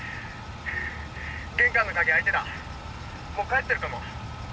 玄関の鍵開いてたもう帰ってるかも。